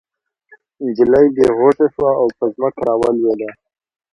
نجلۍ بې هوښه شوه او په ځمکه راولوېده